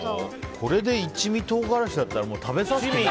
これで一味唐辛子だったら食べさせてよ。